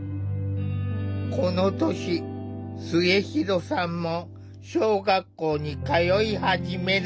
この年末弘さんも小学校に通い始める。